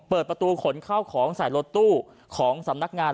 เปิดประตูขนเข้าของใส่รถตู้ของสำนักงาน